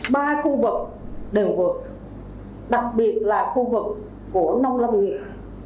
ba khu vực đều vượt đặc biệt là khu vực của nông lâm nghiệp